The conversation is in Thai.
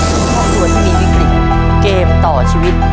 ทุกครอบครัวที่มีวิกฤตเกมต่อชีวิต